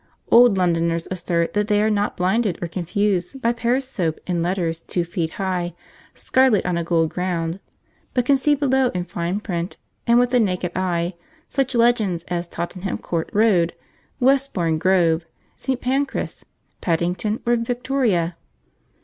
Old Londoners assert that they are not blinded or confused by Pears' Soap in letters two feet high, scarlet on a gold ground, but can see below in fine print, and with the naked eye, such legends as Tottenham Court Road, Westbourne Grove, St. Pancras, Paddington, or Victoria.